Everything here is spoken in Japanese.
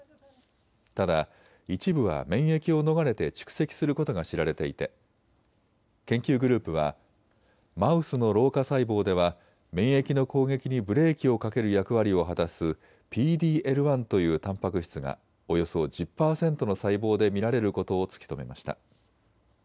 ただ一部は免疫を逃れて蓄積することが知られていて研究グループはマウスの老化細胞では免疫の攻撃にブレーキをかける役割を果たすＰＤ−Ｌ１というたんぱく質がおよそ１０％の細胞で見られることを突き止めました。